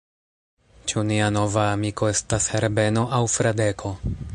Ĉu nia nova amiko estas Herbeno aŭ Fradeko?